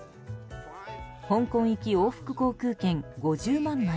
香港行き往復航空券５０万枚